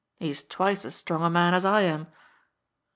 He is twice as strong a man as I am."